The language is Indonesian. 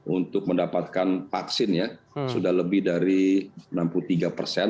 untuk mendapatkan vaksin ya sudah lebih dari enam puluh tiga persen